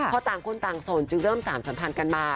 พอต่างคนต่างสนจึงเริ่มสารสัมพันธ์กันมา